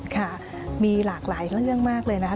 ค่ะมีหลากหลายเรื่องมากเลยนะคะ